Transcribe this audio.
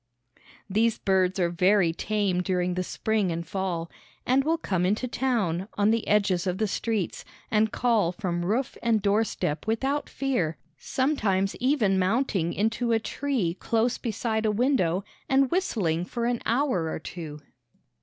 These birds are very tame during the spring and fall, and will come into town, on the edges of the streets, and call from roof and door step without fear, sometimes even mounting into a tree close beside a window and whistling for an hour or two.